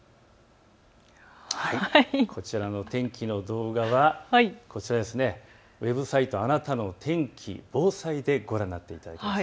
こちらの天気の動画はウェブサイト、あなたの天気・防災でご覧になっていただけます。